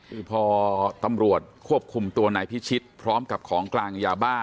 คือพอตำรวจควบคุมตัวนายพิชิตพร้อมกับของกลางยาบ้า